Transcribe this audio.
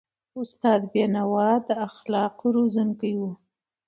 استاد بینوا د اخلاقو روزونکی و.